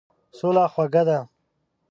سوله خوږه ده.